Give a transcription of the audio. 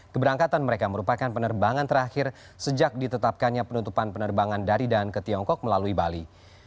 keberangkatan mereka merupakan penerbangan terakhir sejak ditetapkannya penutupan penerbangan dari dan ke tiongkok melalui bali